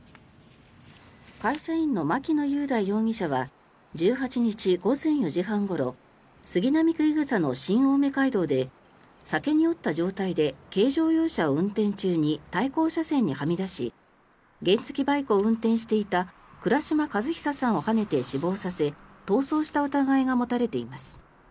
会社員の牧野雄大容疑者は１８日午前４時半ごろ杉並区井草の新青梅街道で酒に酔った状態で軽乗用車を運転中に対向車線にはみ出し原付きバイクを運転していた倉島和久さんをはねて死亡させ逃走した疑いが持たれています。